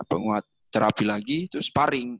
penguatan terapi lagi terus sparing